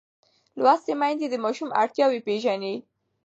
لوستې میندې د ماشوم اړتیاوې پېژني.